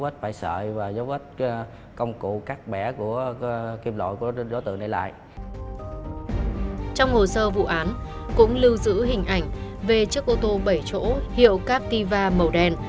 trong hồ sơ vụ án cũng lưu giữ hình ảnh về chiếc ô tô bảy chỗ hiệu capiva màu đen